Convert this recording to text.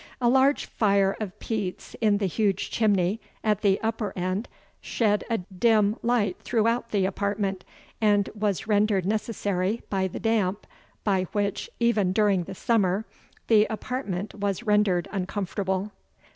A large fire of peats in the huge chimney at the upper end shed a dim light through the apartment, and was rendered necessary by the damp, by which, even during the summer, the apartment was rendered uncomfortable.